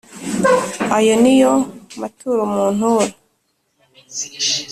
ayo ni yo maturo muntura